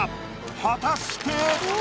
果たして？